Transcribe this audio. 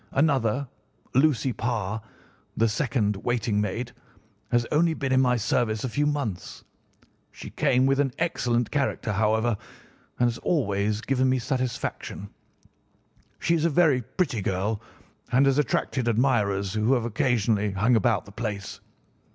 Another, Lucy Parr, the second waiting maid, has only been in my service a few months. She came with an excellent character, however, and has always given me satisfaction. She is a very pretty girl and has attracted admirers who have occasionally hung about the place.